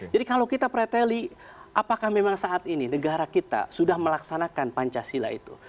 jadi kalau kita preteli apakah memang saat ini negara kita sudah melaksanakan pancasila itu